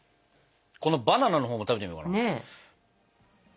このバナナのほうも食べてみようかな。